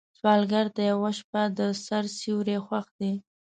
سوالګر ته یوه شپه د سر سیوری خوښ دی